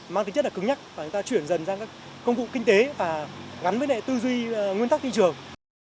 mang tính chất là cứng nhắc và chúng ta chuyển dần ra các công cụ kinh tế và gắn với lại tư duy nguyên tắc thị trường